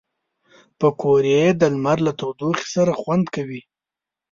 پکورې د لمر له تودوخې سره خوند کوي